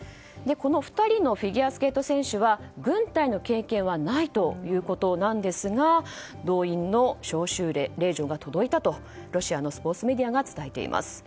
この２人のフィギュアスケート選手は軍隊の経験はないということですが動員の招集令状が届いたとロシアのスポーツメディアが伝えています。